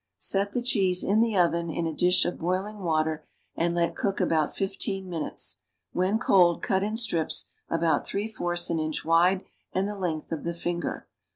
Set the cheese in the oven in a dish of boiling water, and let cook about fifteen minutes. When cold cut in strips about three fourths an inch wide and the length of the finger.